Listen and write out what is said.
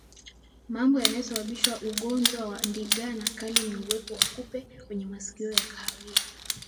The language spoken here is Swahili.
Mambo yanayosababisha ugonjwa wa ndigana kali ni uwepo wa kupe wenye masikio ya kahawia